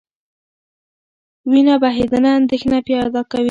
وینه بهېدنه اندېښنه پیدا کوي.